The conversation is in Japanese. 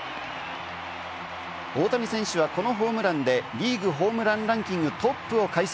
大谷選手はこのホームランでリーグホームランランキングトップを快走。